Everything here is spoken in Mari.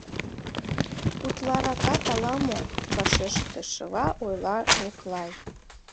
— Утларакат ала-мо... — вашештышыла ойла Мӱклай.